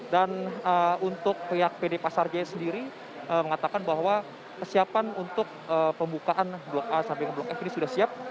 dan untuk pihak pd pasar jaya sendiri mengatakan bahwa kesiapan untuk pembukaan blok a sampai blok f ini sudah siap